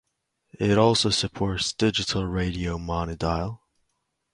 It also supports Digital Radio Mondiale.